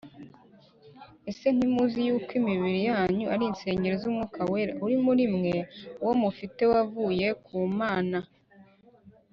Mbese ntimuzi yuko imibiri yanyu ari insengero z'Umwuka Wera, uri muri mwe, uwo mufite wavuye ku Mana?